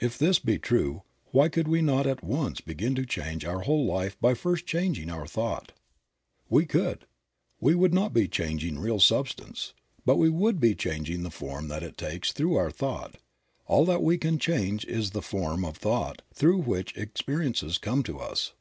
If this be true, why could we not at once begin to change our whole life by first changing our thought? We could. We would not be changing real substance, but we would be changing the form that it takes through our thought. All that we can change is the form of thought through which experiences come to us.